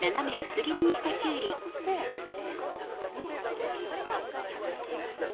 こんなふうに添えておきます。